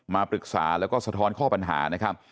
มาปรึกษาแล้วก็สะท้อนข้อปัญหานะครับ